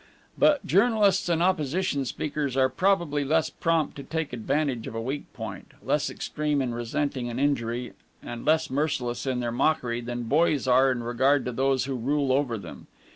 But journalists and opposition speakers are probably less prompt to take advantage of a weak point, less extreme in resenting an injury, and less merciless in their mockery than boys are in regard to those who rule over them.